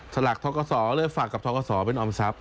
ถลักท้อกสแล้วฝากกับท้อกสเป็นออมทรัพย์